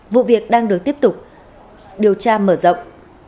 vụ việc đang được tiếp tục điều tra mở rộng